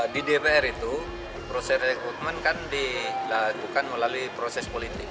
di dpr itu proses rekrutmen kan dilakukan melalui proses politik